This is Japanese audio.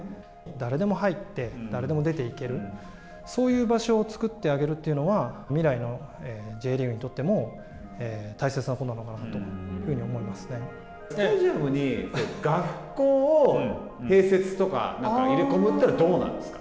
誰でも入って、誰でも出ていけるそういう場所を作ってあげるというのは、未来のＪリーグにとっても大切なことなのかなというふうにスタジアムに学校を併設とか、入れ込むというのはどうなんですか。